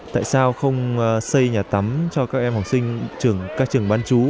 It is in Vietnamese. tại sao không xây nhà tắm cho các em học sinh trường các trường bán chú